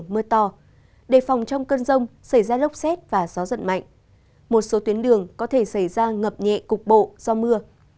mưa to đề phòng trong cơn rông xảy ra lốc xét và gió giật mạnh một số tuyến đường có thể xảy ra ngập nhẹ cục bộ do mưa